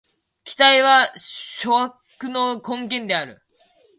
期待は諸悪の根源である。